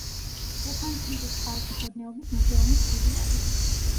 სტეფანწმინდის მხარეთმცოდნეობის მუზეუმის ფილიალი.